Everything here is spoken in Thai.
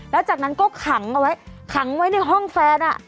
แล้วจากนั้นก็ขังเอาไว้ขังไว้ในห้องแฟน